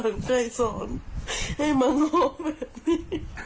ใครสั่งใครสอนให้มันห่วงแบบนี้